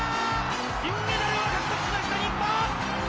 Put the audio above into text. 金メダルを獲得しました、日本！